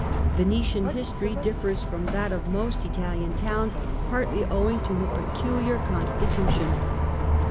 The history of Venice differs from that of most Italian towns, partly owing to her peculiar constitution.